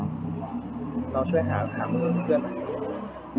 แล้วช่วยหามือเสื้อไหน